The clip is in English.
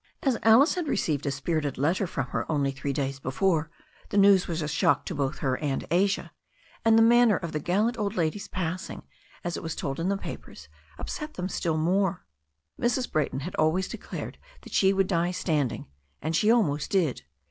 As Alice had received a spirited letter from her only three days before, the news was a shock to both her and Asia, and the manner of the gallant old lady's passing, as it was told in the papers, upset them still more. Mrs. Brayton had always declared that she would die standing, and she almost did.